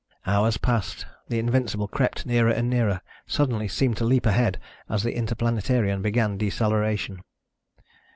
Hours passed. The Invincible crept nearer and nearer, suddenly seemed to leap ahead as the Interplanetarian began deceleration.